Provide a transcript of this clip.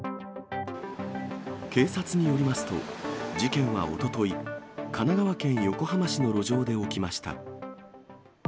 警察によりますと、事件はおととい、神奈川県横浜市の路上で起きました。